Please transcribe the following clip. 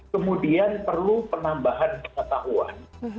kemudian perlu penambahan pengetahuan